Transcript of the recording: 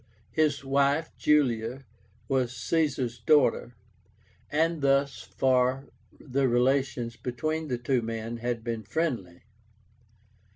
His wife, Julia, was Caesar's daughter, and thus far the relations between the two men had been friendly.